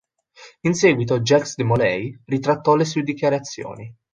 In seguito Jacques de Molay ritrattò le sue dichiarazioni.